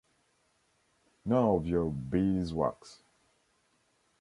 None of your beeswax.